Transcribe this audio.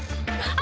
あ。